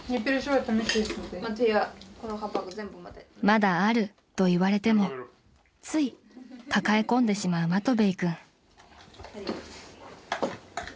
［「まだある」と言われてもつい抱え込んでしまうマトヴェイ君］